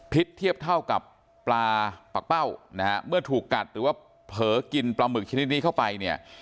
เทียบเทียบเท่ากับปลาปากเป้านะฮะเมื่อถูกกัดหรือว่าเผลอกินปลาหมึกชนิดนี้เข้าไปเนี่ย